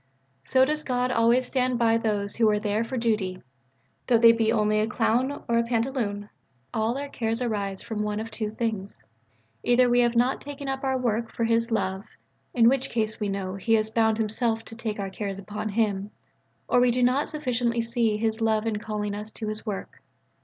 So does God always stand by those who are there for duty though they be only a clown or pantaloon. All our cares arise from one of two things: either we have not taken up our work for His love, in which case we know He has bound Himself to take our cares upon Him: or we do not sufficiently see His love in calling us to His work.